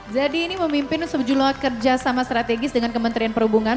jadi ini memimpin sejumlah kerjasama strategis dengan kementerian perhubungan